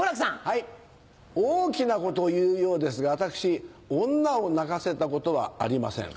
大きなことを言うようですが私女を泣かせたことはありません。